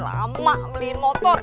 lama beliin motor